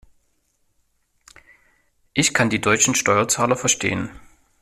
Ich kann die deutschen Steuerzahler verstehen.